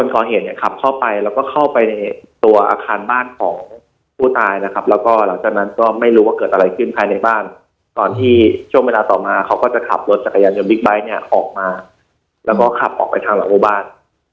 จากกล้องวงจอมปิดเท่าที่ผมได้ไปคุยกับกรอบกระพอบ่าวบ้าน